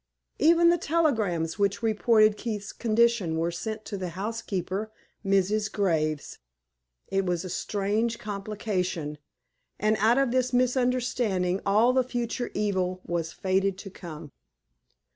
Even the telegrams which reported Keith's condition were sent to the housekeeper, Mrs. Graves. It was a strange complication, and out of this misunderstanding all the future evil was fated to come.